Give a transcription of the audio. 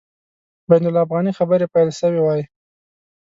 بین الافغاني خبري پیل سوي وای.